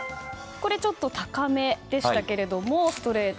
ちょっと高めでしたけれどもストレート。